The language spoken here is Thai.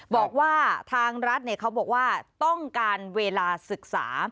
บอกว่าทางรัฐเขาบอกว่าต้องการเวลาศึกษา